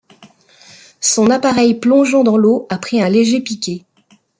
Son appareil plongeant dans l’eau après un léger piqué.